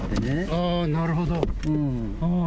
あー、なるほど。